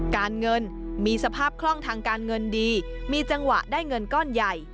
การเงินมีสภาพคล่องทางการเงินดีมีจังหวะได้เงินก้อนใหญ่